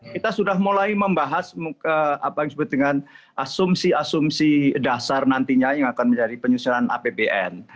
kita sudah mulai membahas apa yang disebut dengan asumsi asumsi dasar nantinya yang akan menjadi penyusunan apbn